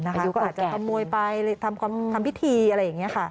ก็อาจจะขโมยไปทำพิธีอะไรอย่างนี้ค่ะ